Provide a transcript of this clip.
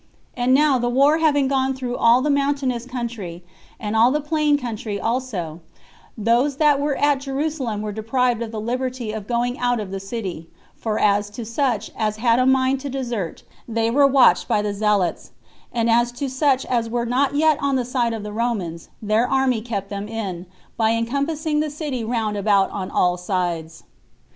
And now the war having gone through all the mountainous country, and all the plain country also, those that were at Jerusalem were deprived of the liberty of going out of the city; for as to such as had a mind to desert, they were watched by the zealots; and as to such as were not yet on the side of the Romans, their army kept them in, by encompassing the city round about on all sides.